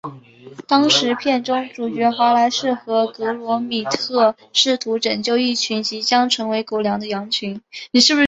当时片中主角华莱士和格罗米特试图拯救一群即将成为狗粮的羊群。